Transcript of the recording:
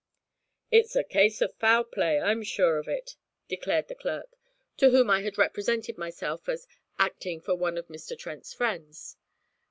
'It's a case of foul play, I'm sure of it,' declared the clerk, to whom I had represented myself as 'acting for one of Mr. Trent's friends.'